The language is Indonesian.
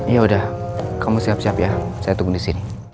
ya udah kamu siap siap ya saya tunggu di sini